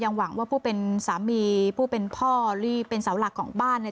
หวังว่าผู้เป็นสามีผู้เป็นพ่อหรือเป็นเสาหลักของบ้าน